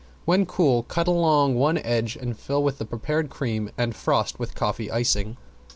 When cool, cut along one edge and fill with the prepared cream and frost with coffee icing.